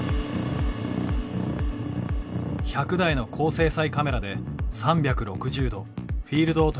１００台の高精細カメラで３６０度フィールドを取り囲むように撮影。